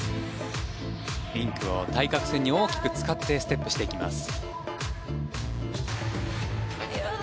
リンクを対角線に大きく使ってステップしていきます。